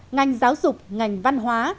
ngành giáo dục ngành văn hóa